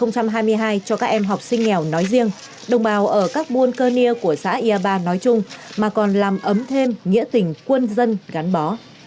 cảm ơn các em học sinh nghèo nói riêng đồng bào ở các buôn cơ nia của xã yà ba nói chung mà còn làm ấm thêm nghĩa tình quân dân gắn bó